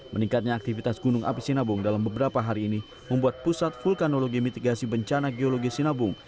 meningkatnya aktivitas gunung api sinabung dalam beberapa hari ini membuat pusat vulkanologi mitigasi bencana geologi sinabung